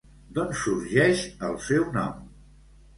D'on sorgeix el seu nom?